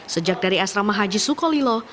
sejak dari asrama haji sukolilo